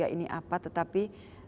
ini apa tetapi